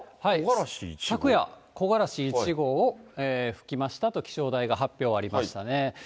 昨夜、木枯らし１号吹きましたと気象台が発表ありましたね。